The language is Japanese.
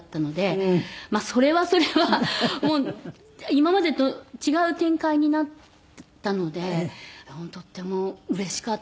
今までと違う展開になったのでとってもうれしかったですね。